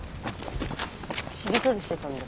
しりとりしてたんだよ。